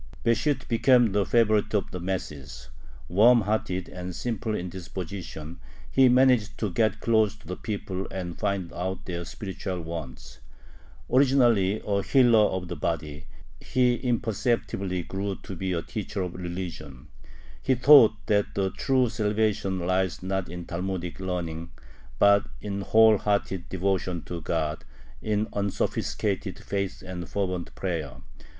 Besht became the favorite of the masses. Warm hearted and simple in disposition, he managed to get close to the people and find out their spiritual wants. Originally a healer of the body, he imperceptibly grew to be a teacher of religion. He taught that true salvation lies not in Talmudic learning, but in whole hearted devotion to God, in unsophisticated faith and fervent prayer.